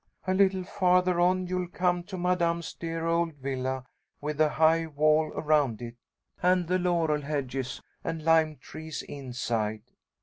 A little farther on you'll come to Madame's dear old villa with the high wall around it, and the laurel hedges and lime trees inside.